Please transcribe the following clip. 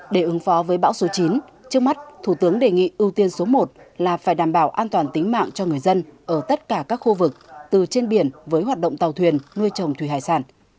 để ứng phó với bão số chín trước mắt thủ tướng đề nghị ưu tiên số một là phải đảm bảo an toàn tính mạng cho người dân ở tất cả các khu vực từ trên biển với hoạt động tàu thuyền nuôi trồng thủy hải sản